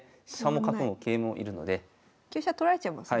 香車取られちゃいますね。